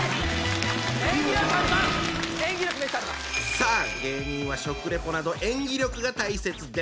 さあ芸人は食レポなど演技力が大切です。